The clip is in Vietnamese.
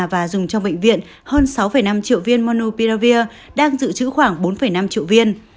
và dùng trong bệnh viện hơn sáu năm triệu viên monopiravir đang dự trữ khoảng bốn năm triệu viên